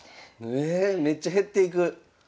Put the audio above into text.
えめっちゃ減っていく。